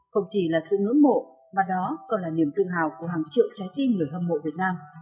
không chỉ là sự ngưỡng mộ mà đó còn là niềm tự hào của hàng triệu trái tim người hâm mộ việt nam